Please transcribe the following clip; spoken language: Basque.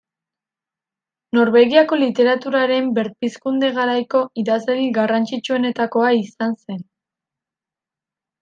Norvegiako literaturaren berpizkunde-garaiko idazlerik garrantzitsuenetakoa izan zen.